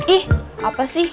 ih apa sih